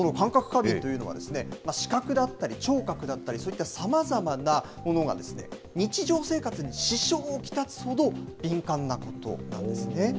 過敏というのは、視覚だったり聴覚だったり、そういったさまざまなものが日常生活に支障を来すほど、敏感なことなんですね。